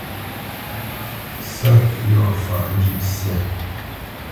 Sɔ̂t yɔ̂ faʼ njʉ̂ʼsyâ.